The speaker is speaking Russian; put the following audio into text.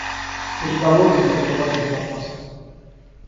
Переговоры не подрывают безопасность.